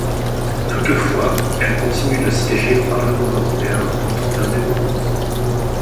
Toutefois, elle continue de siéger au Parlement européen en tant qu'indépendante.